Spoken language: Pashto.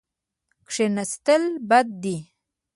کښېناستل بد دي.